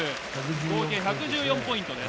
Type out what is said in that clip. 合計１１４ポイントです。